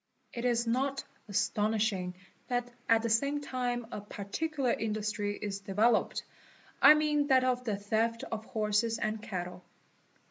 It is not astonishing that at the same time a particular industry is developed, I mean that of the theft of horses and cattle.